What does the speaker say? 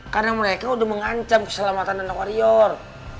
karena mereka udah mengancam keselamatan anak warrior